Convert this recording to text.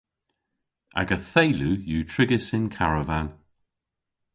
Aga theylu yw trigys yn karavan.